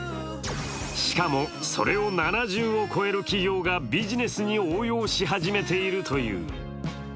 しかも、それを７０を超える企業がビジネスに応用し始めているという。